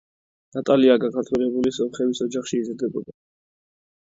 ნატალია გაქართველებული სომხების ოჯახში იზრდებოდა.